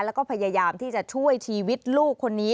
แล้วก็พยายามที่จะช่วยชีวิตลูกคนนี้